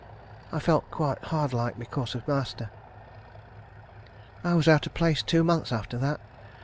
I felt quite hard like, because of master. I was out of place two months after that.